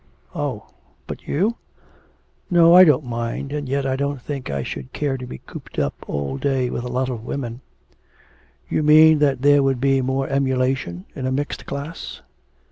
'Oh! But you?' 'No, I don't mind, and yet I don't think I should care to be cooped up all day with a lot of women.' 'You mean that there would be more emulation in a mixed class?'